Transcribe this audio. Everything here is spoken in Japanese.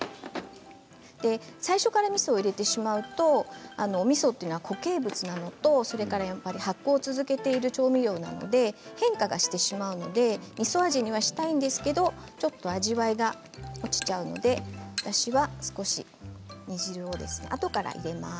最初からみそを入れてしまうとみそは固形物なのと発酵を続けている調味料なので変化してしまうのでみそ味にはしたいんですけどちょっと味わいが落ちちゃうので私は少し煮汁をあとから入れます。